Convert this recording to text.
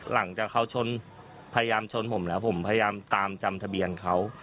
หลังจากเขาชนพยายามชนผมแล้วผมพยายามตามจำทะเบียนเขา